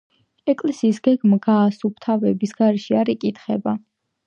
ეკლესიის გეგმა გასუფთავების გარეშე არ იკითხება.